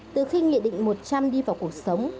từ khi nghị định một trăm linh đi vào cuộc sống